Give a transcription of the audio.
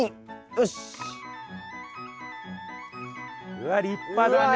うわ立派だね。